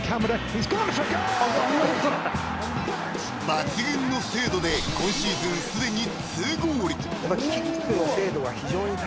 ［抜群の精度で今シーズンすでに］